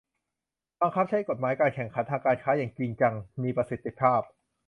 บังคับใช้กฎหมายการแข่งขันทางการค้าอย่างจริงจัง มีประสิทธิภาพ